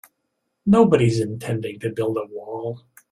Nobody's intending to build a wall.